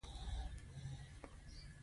د سندرو ځای ژړاګانو او سلګیو ونیو.